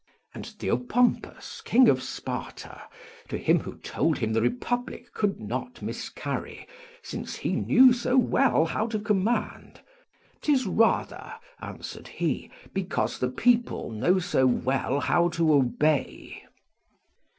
And Theopompus, king of Sparta, to him who told him the republic could not miscarry since he knew so well how to command, "Tis rather," answered he, "because the people know so well how to obey."